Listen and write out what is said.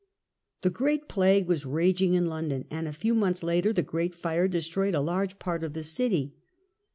The great Plague was raging in London, and a few months later the great Fire destroyed a large part of the city.